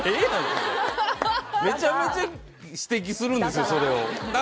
それめちゃめちゃ指摘するんですよ